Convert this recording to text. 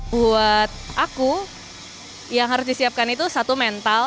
buat aku yang harus disiapkan itu satu mental